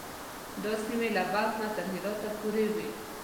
دا سیمې له بلخ نه تر هرات پورې وې.